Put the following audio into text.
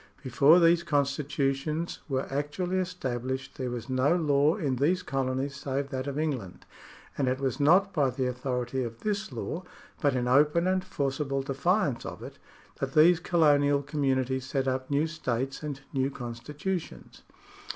Be fore these constitutions were actually established, there was no law in these colonies save that of England, and it was not by the authority of this law, but in open and forcible defiance of it, that these colonial communities set up new states and new constitutions.